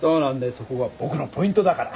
そこが僕のポイントだから。